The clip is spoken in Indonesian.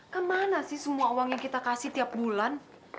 kemana sih semua uang yang kita kasih tiap bulan